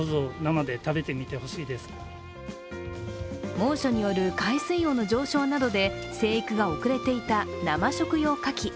猛暑による海水温の上昇などで生育が遅れていた生食用かき。